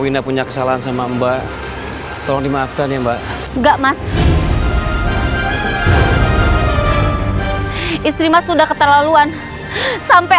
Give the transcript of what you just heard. winda punya kesalahan sama mbak tolong dimaafkan ya mbak enggak mas istri mas sudah keterlaluan sampai